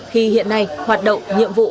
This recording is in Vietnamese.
khi hiện nay hoạt động nhiệm vụ